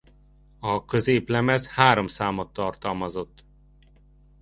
A középlemez három számot tartalmazott.